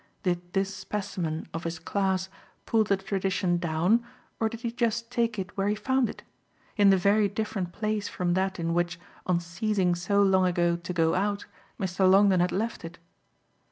Did this specimen of his class pull the tradition down or did he just take it where he found it in the very different place from that in which, on ceasing so long ago to "go out," Mr. Longdon had left it?